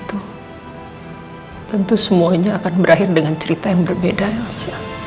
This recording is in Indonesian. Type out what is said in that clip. tentu semuanya akan berakhir dengan cerita yang berbeda els